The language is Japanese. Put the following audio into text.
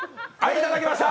いただきました！